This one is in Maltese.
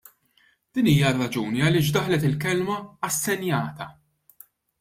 Din hija r-raġuni għaliex daħlet il-kelma " assenjata ".